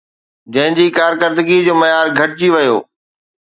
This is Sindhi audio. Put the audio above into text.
جنهن جي ڪارڪردگيءَ جو معيار گهٽجي ويو